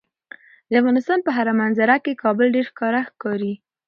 د افغانستان په هره منظره کې کابل ډیر ښکاره ښکاري.